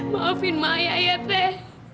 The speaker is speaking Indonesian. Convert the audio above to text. maafkan saya ya teteh